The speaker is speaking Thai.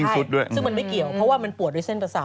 ซึ่งมันไม่เกี่ยวเพราะว่ามันปวดด้วยเส้นประสาท